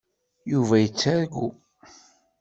Yuba yettargu.